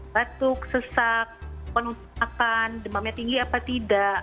retuk sesak penutupan demamnya tinggi apa tidak